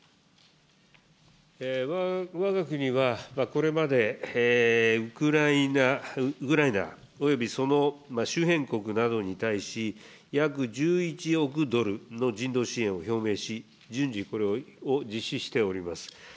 わが国は、これまでウクライナおよびその周辺国などに対し、約１１億ドルの人道支援を表明し、順次、これを実施しております。